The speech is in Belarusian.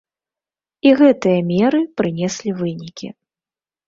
І гэтыя меры прынеслі вынікі.